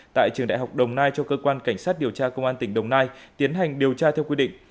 tại trường đại học đồng nai cho cơ quan cảnh sát điều tra công an tỉnh đồng nai tiến hành điều tra theo quy định